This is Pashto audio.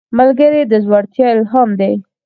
ملګری د زړورتیا الهام دی